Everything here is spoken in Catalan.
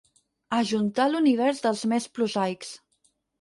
Ajuntà l'univers dels més prosaics.